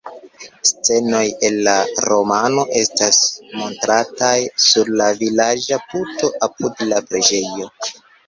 Scenoj el la romano estas montrataj sur la vilaĝa puto apud la preĝejo.